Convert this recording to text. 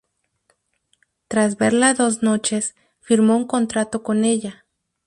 Tras verla dos noches, firmó un contrato con ella.